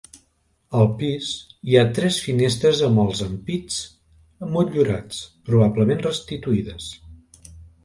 Al pis hi ha tres finestres amb els ampits motllurats, probablement restituïdes.